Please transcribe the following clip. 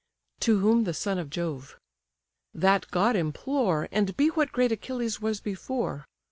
To whom the son of Jove: "That god implore, And be what great Achilles was before.